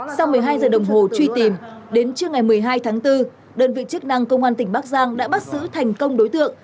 sau một mươi hai giờ đồng hồ truy tìm đến trưa ngày một mươi hai tháng bốn đơn vị chức năng công an tỉnh bắc giang đã bắt giữ thành công đối tượng